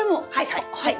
はいはい。